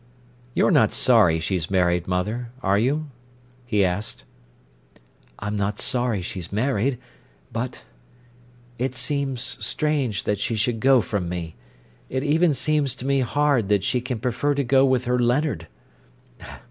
"You're not sorry she's married, mother, are you?" he asked. "I'm not sorry she's married—but—it seems strange that she should go from me. It even seems to me hard that she can prefer to go with her Leonard.